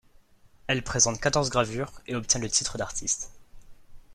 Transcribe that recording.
Elle présente quatorze gravures et obtient le titre d'artiste.